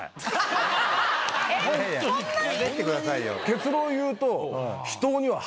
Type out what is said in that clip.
結論を言うと。